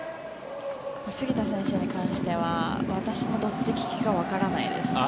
杉田選手に関しては私もどっち利きかわからないです。